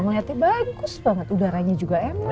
ngeliatnya bagus banget udaranya juga emang